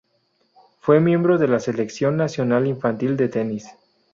Fue miembro de la selección nacional infantil de tenis.